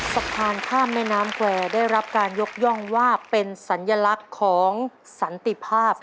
สะพานข้ามแม่น้ำแควร์ได้รับการยกย่องว่าเป็นสัญลักษณ์ของสันติภาพ